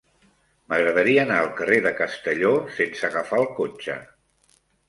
M'agradaria anar al carrer de Castelló sense agafar el cotxe.